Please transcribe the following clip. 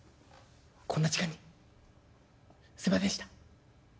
こんな時間にすいませんでした」。